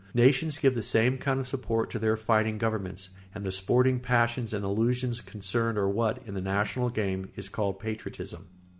Nations give the same kind of support to their fighting governments, and the sporting passions and illusions concerned are what, in the national game, is called patriotism.